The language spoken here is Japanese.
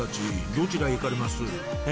どちらへ行かれます？え？